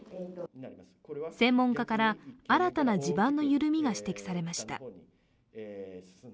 専門家から新たな地盤の緩みが指摘されました。